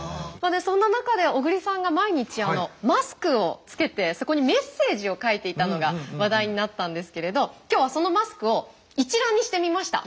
そんな中で小栗さんが毎日マスクをつけてそこにメッセージを書いていたのが話題になったんですけれど今日はそのマスクを一覧にしてみました。